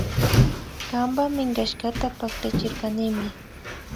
Kanpa minkashkata paktachirkanimi